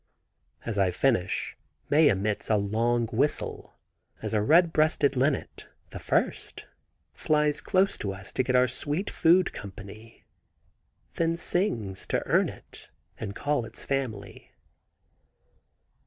As I finish Mae emits a long whistle, as a red breasted linnet—the first—flies close to us to get our sweet food company, then sings, to earn it and call its family.